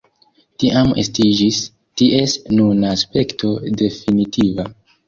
Tiam estiĝis ties nuna aspekto definitiva.